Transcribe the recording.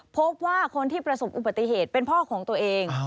พบว่าคนที่ประสบอุบัติเหตุเป็นพ่อของตัวเอง